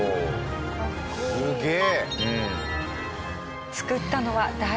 すげえ！